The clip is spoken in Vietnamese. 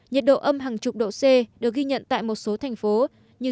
nhiệt độ âm hàng chục độ c được ghi nhận tại một số thành phố như